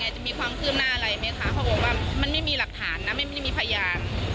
จะมีความคืบหน้าอะไรไหมคะเขาบอกว่ามันไม่มีหลักฐานนะไม่ได้มีพยาน